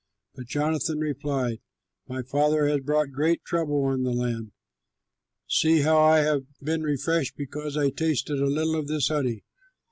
'" But Jonathan replied, "My father has brought great trouble on the land. See how I have been refreshed because I tasted a little of this honey.